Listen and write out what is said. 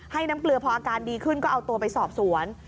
น้ำเกลือพออาการดีขึ้นก็เอาตัวไปสอบสวน